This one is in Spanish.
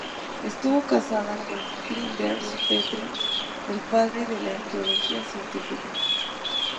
Estuvo casada con Flinders Petrie, el padre de la arqueología científica.